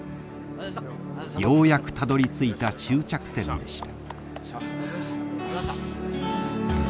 ようやくたどりついた終着点でした。